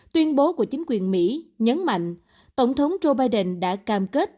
tuyên bố của chính quyền mỹ nhấn mạnh tổng thống joe biden đã cam kết